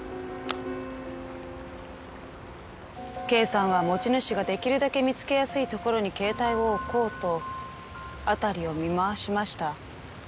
Ｋさんは持ち主ができるだけ見つけやすいところに携帯を置こうと辺りを見回しました。